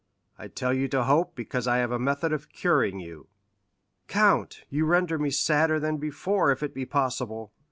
"I tell you to hope, because I have a method of curing you." "Count, you render me sadder than before, if it be possible.